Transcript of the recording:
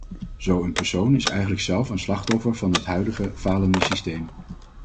Zo'n persoon is eigenlijk zelf een slachtoffer van het huidige falende systeem.